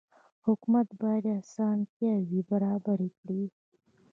حکومت باید اسانتیاوې برابرې کړي.